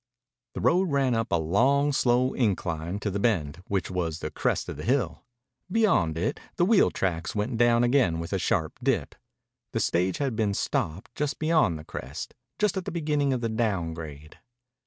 The road ran up a long, slow incline to the Bend, which was the crest of the hill. Beyond it the wheel tracks went down again with a sharp dip. The stage had been stopped just beyond the crest, just at the beginning of the down grade.